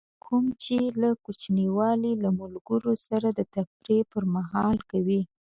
کوم چې له کوچنیوالي له ملګري سره د تفریح پر مهال کوئ.